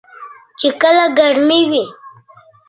چې کله ګرمې وي .